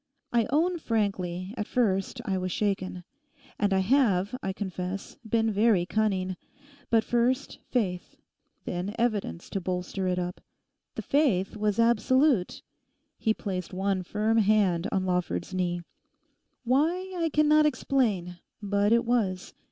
I own frankly, at first I was shaken. And I have, I confess, been very cunning. But first, faith, then evidence to bolster it up. The faith was absolute'—he placed one firm hand on Lawford's knee—'why, I cannot explain; but it was.